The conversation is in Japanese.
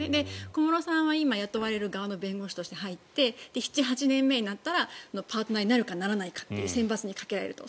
小室さんは今雇われる側の弁護士として入って７８年目になったらパートナーになるかならないかの選抜にかけられると。